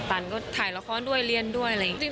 ตันก็ถ่ายละครด้วยเรียนด้วยอะไรอย่างนี้